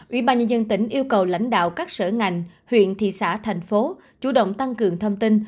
ủy ban nhân dân tỉnh yêu cầu lãnh đạo các sở ngành huyện thị xã thành phố chủ động tăng cường thông tin